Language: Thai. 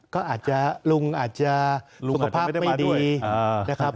ก็อาจจะลุงอาจจะสุขภาพไม่ดีนะครับ